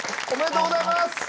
おめでとうございます。